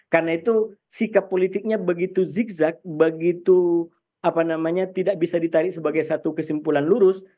karena itu sikap politiknya begitu zigzag begitu tidak bisa ditarik sebagai satu kesimpulan lurus